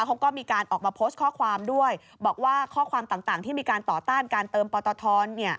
เขาก็มีการออกมาโพสต์ข้อความด้วยบอกว่าข้อความต่างที่มีการต่อต้านการเติมปตท